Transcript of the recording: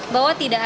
bahwa tidak ada